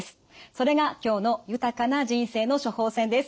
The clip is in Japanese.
それが今日の「豊かな人生の処方せん」です。